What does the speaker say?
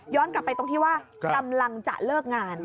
กลับไปตรงที่ว่ากำลังจะเลิกงาน